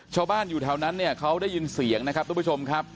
ชาวบ้านอยู่แถวนั้นเนี่ยเขาได้ยินเสียงนะครับทุกผู้ชมครับ